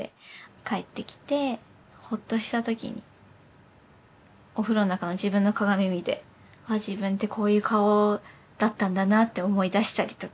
帰ってきてホッとしたときにお風呂の中の自分の鏡見てあっ自分ってこういう顔だったんだなって思い出したりとか。